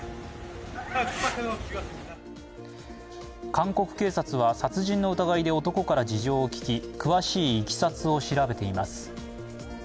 韓国警察は殺人の疑いで男から事情を聴き詳しいいきさつを調べています。